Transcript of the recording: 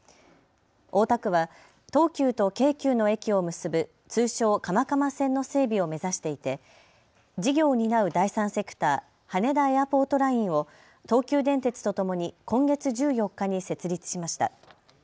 大田区は東急と京急の駅を結ぶ通称、蒲蒲線の整備を目指していて事業を担う第三セクター、羽田エアポートラインを東急電鉄とともに今月１４日に設立しました。